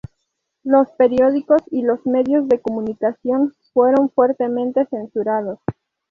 Los periódicos y los medios de comunicación fueron fuertemente censurados.